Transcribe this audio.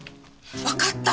わかった！